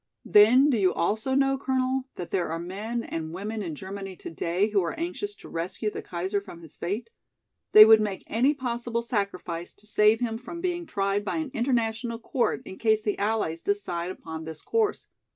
"Then do you also know, Colonel, that there are men and women in Germany today who are anxious to rescue the Kaiser from his fate. They would make any possible sacrifice to save him from being tried by an international court in case the Allies decide upon this course.